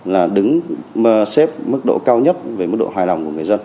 là đứng xếp mức độ cao nhất về mức độ hài lòng của người dân